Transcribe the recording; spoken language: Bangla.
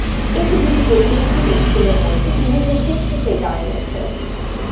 এটি দুটি প্রতিবেশী দেশগুলোর মধ্যে বিরোধের ক্ষেত্র হয়ে দাঁড়িয়েছে।